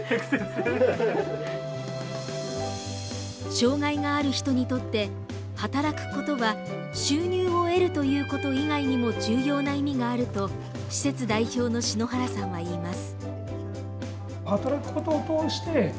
障害がある人にとって働くことは、収入を得るということ以外にも重要な意味があると施設代表の篠原さんはいいます。